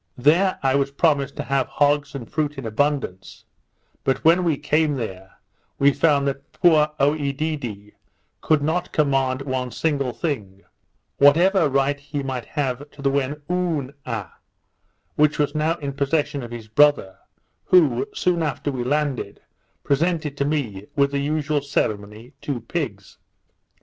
There I was promised to have hogs and fruit in abundance; but when we came there, we found that poor Oedidee could not command one single thing, whatever right he might have to the Whenooa, which was now in possession of his brother, who, soon after we landed, presented to me, with the usual ceremony, two pigs.